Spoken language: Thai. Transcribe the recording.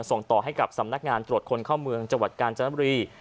ส่งต่อให้กับสำนักงานตรวจคนเข้าเมืองจังหวัดกาญจนบุรี